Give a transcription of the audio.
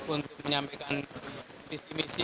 untuk menyampaikan visi visi